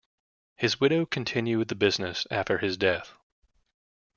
His widow continued the business after his death.